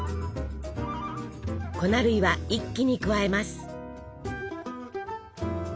粉類は一気に加えます。